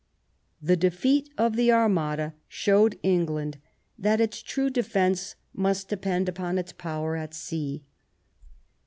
The defeat of the Armada showed England that its true defence must depend upon its power at sea.